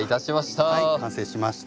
はい完成しました。